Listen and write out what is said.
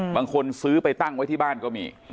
บางคนซื้อไปตั้งไว้ที่บ้านก็มี